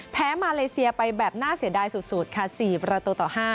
มาเลเซียไปแบบน่าเสียดายสุดค่ะ๔ประตูต่อ๕